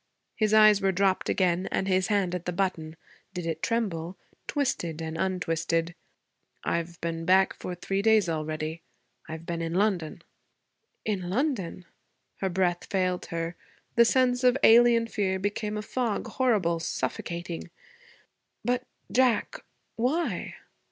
His eyes were dropped again and his hand at the button did it tremble? twisted and untwisted. 'I've been back for three days already. I've been in London.' 'In London?' Her breath failed her. The sense of alien fear became a fog, horrible, suffocating. 'But Jack why?'